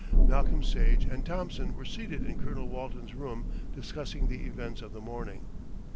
Malcolm Sage and Thompson were seated in Colonel Walton's room discussing the events of the morning.